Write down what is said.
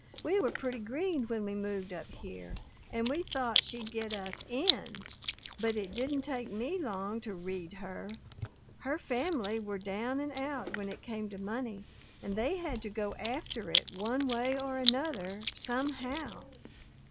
We were pretty green when we moved up here, and we thought she'd get us IN but it didn't take ME long to read her! Her family were down and out when it came to money and they had to go after it, one way or another, SOMEHOW!